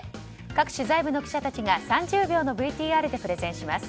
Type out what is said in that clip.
各取材部の記者たちが３０秒のＶＴＲでプレゼンします。